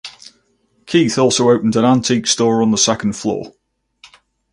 Keith also opened an antique store on the second floor.